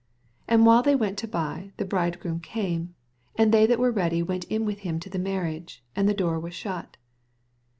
10 And while they went to bay, the bridegroom oame ; and they that were ready went in with him to the mar riage : and the door was shut.